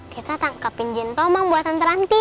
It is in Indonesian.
kita tangkapin jintomang buat tante ranti